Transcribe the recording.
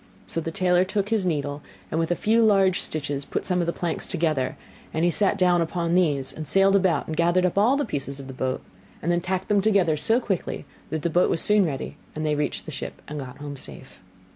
So the tailor took his needle, and with a few large stitches put some of the planks together; and he sat down upon these, and sailed about and gathered up all pieces of the boat; and then tacked them together so quickly that the boat was soon ready, and they then reached the ship and got home safe.